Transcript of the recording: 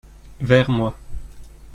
Vers moi.